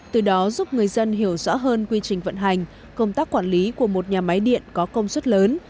từ đó giúp người dân hiểu rõ hơn quy trình vận hành công tác quản lý của một nhà máy điện có công suất lớn